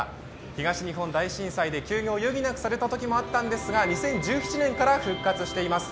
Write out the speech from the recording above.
東日本大震災で休業を余儀なくされたときもあったんですが、２０１７年から復活しています。